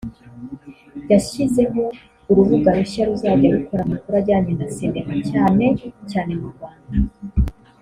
yashyizeho urubuga rushya ruzajya rukora amakuru ajyanye na cinema cyane cyane mu Rwanda